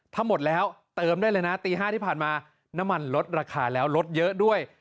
ถ้าหมดแล้วเติมได้เลยนะตี๕ที่ผ่านมาน้ำมันลดราคาแล้วลดเยอะด้วย